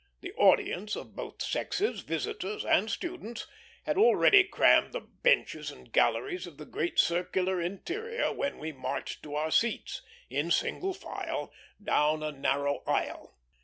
The audience, of both sexes, visitors and students, had already crammed the benches and galleries of the great circular interior when we marched to our seats, in single file, down a narrow aisle.